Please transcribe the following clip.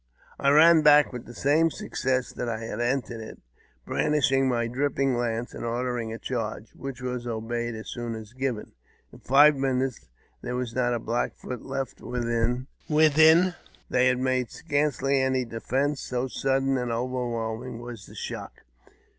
I ran back with the same success that I had entered it, brandishing my dripping lance, and ordered a charge, which was obeyed as soon as given. In five minutes there was not a Black Foot left within alive. They made scarcely any defence, so sudden and overwhelming was the shock.